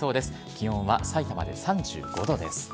気温はさいたまで３５度です。